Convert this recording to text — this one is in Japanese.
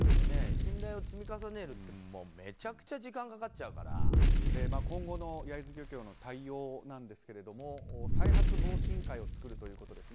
信頼を積み重ねるってめちゃくちゃ今後の焼津漁協の対応なんですが再発防止委員会を作るということです。